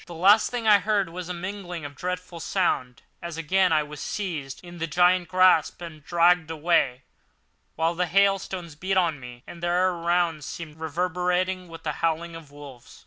The last thing I heard was this mingling of dreadful sound, as again I was seized in the giant grasp and dragged away, while the hailstones beat on me, and the air around seemed reverberant with the howling of wolves.